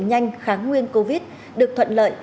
nhanh kháng nguyên covid được thuận lợi